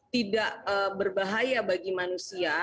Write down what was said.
tidak berbahaya bagi manusia